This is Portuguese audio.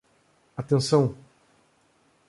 Atenção!